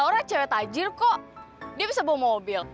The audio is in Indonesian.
orang cewek tajir kok dia bisa bawa mobil